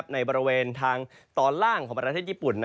ในบริเวณทางตอนล่างของประเทศญี่ปุ่น